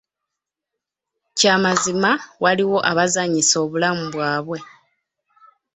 Kya mazima waliwo abazannyisa obulamu bwabwe.